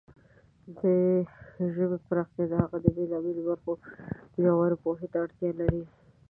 د ژبې پراختیا د هغې د بېلابېلو برخو د ژورې پوهې ته اړتیا لري.